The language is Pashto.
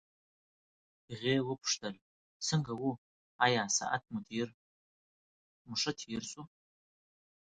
هغې وپوښتل څنګه وو آیا ساعت مو ښه تېر شو.